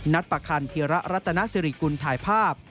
ประคันธีระรัตนสิริกุลถ่ายภาพ